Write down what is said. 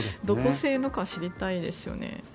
どこ製のか知りたいですよね。